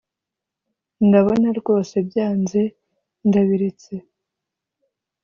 Ndabona rwose byanze ndabiretse